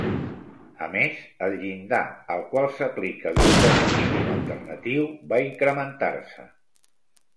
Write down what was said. A més, el llindar al qual s'aplica l'impost mínim alternatiu va incrementar-se.